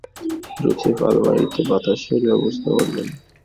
Joseph, আলমারিতে বাতাসের ব্যাবস্থা করবেন?